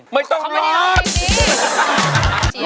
ไม่ต้องรอดคำนาคมี้สิ